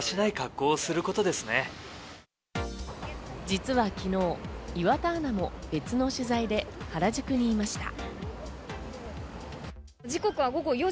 実は昨日、岩田アナも別の取材で原宿にいました。